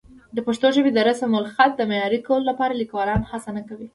د پښتو ژبې د رسمالخط د معیاري کولو لپاره لیکوالان هڅه نه کوي.